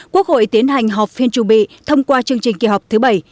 quốc hội tiến hành họp phiên trù bị thông qua chương trình kỳ họp thứ bảy